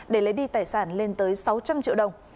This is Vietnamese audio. để lấy đi tài sản lên tới sáu trăm linh triệu đồng